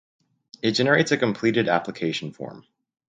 It generates a completed application form